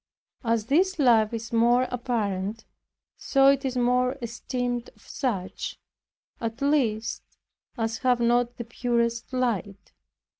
As this life is more apparent, so it is more esteemed of such, at least, as have not the purest light.